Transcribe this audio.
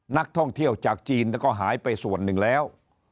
นักท่องเที่ยวจากจีนก็หายไปส่วนหนึ่งแล้ว